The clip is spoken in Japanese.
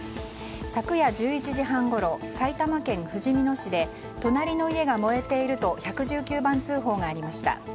昨夜１１時半ごろ埼玉県ふじみ野市で隣の家が燃えていると１１９番通報がありました。